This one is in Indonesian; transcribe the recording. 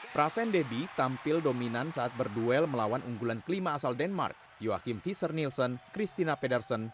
pravin debbie tampil dominan saat berduel melawan unggulan kelima asal denmark joachim visser nielsen christina pedersen